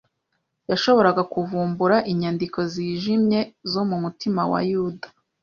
yashoboraga kuvumbura inyandiko zijimye zo mu mutima wa Yuda